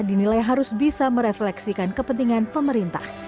dinilai harus bisa merefleksikan kepentingan pemerintah